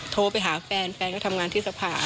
โทรไปหาแฟนแฟนก็ทำงานที่สภา